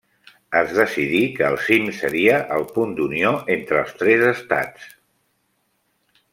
Es decidí que el cim seria el punt d'unió entre els tres estats.